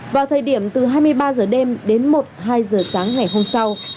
vào thời điểm từ hai mươi ba h đêm đến một hai giờ sáng ngày hôm sau